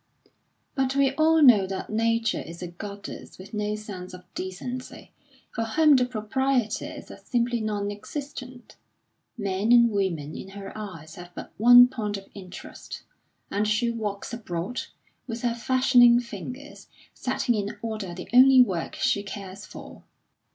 But we all know that Nature is a goddess with no sense of decency, for whom the proprieties are simply non existent; men and women in her eyes have but one point of interest, and she walks abroad, with her fashioning fingers, setting in order the only work she cares for.